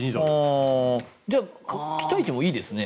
じゃあ期待値もいいですね。